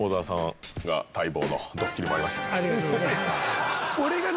ありがとうございます。